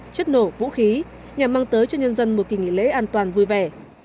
chất nổ vũ khí nhằm mang tới cho nhân dân một kỳ nghỉ lễ an toàn vui vẻ